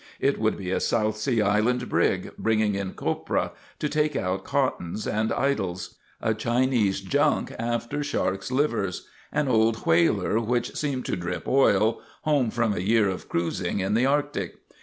It would be a South Sea Island brig, bringing in copra, to take out cottons and idols; a Chinese junk after sharks' livers; an old whaler, which seemed to drip oil, home from a year of cruising in the Arctic.